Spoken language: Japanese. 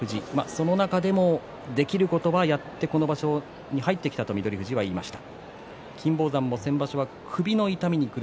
その中でもできることをやってこの場所に入ってきたと言いました。